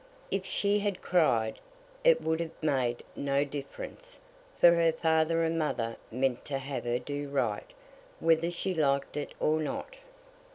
If she had cried, it would have made no difference, for her father and mother meant to have her do right, whether she liked it or not.